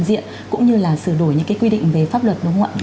cũng như là sửa đổi những cái quy định về pháp luật đúng không ạ